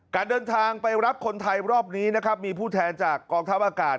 การเดินทางไปรับคนไทยรอบนี้นะครับมีผู้แทนจากกองทัพอากาศ